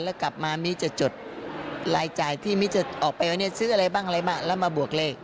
แล้วกลับมามิจะจดรายจ่ายที่มิจะออกไปวันนี้ซื้ออะไรบ้างอะไรบ้างแล้วมาบวกเลข